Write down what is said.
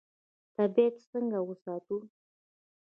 طبیعت څنګه وساتو؟